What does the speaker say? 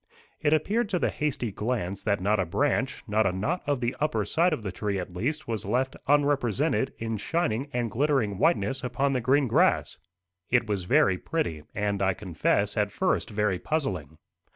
It appeared to the hasty glance that not a branch not a knot of the upper side of the tree at least was left unrepresented in shining and glittering whiteness upon the green grass. It was very pretty, and, I confess, at first, very puzzling.